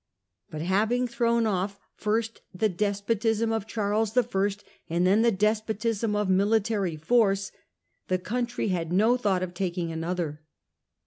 Declaration of Breda, 85 But having thrown off, first the despotism of Charles I., and then the despotism of military force, the country had no thought of taking another.